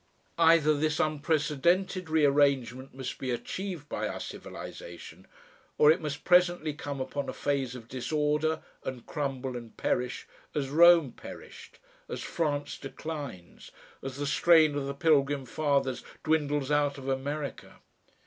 Either this unprecedented rearrangement must be achieved by our civilisation, or it must presently come upon a phase of disorder and crumble and perish, as Rome perished, as France declines, as the strain of the Pilgrim Fathers dwindles out of America.